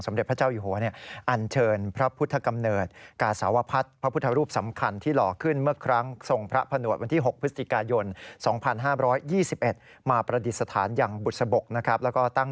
สมเด็จพระเจ้าอยู่หัวอันเชิญพระพุทธกำเนิดกาสาวพัฒน์